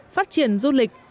phát triển du lịch